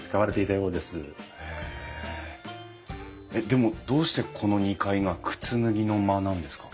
でもどうしてこの２階が靴脱ぎの間なんですか？